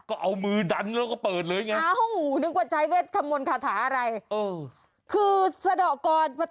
โอ้เอาน้ำไปดื่มนะ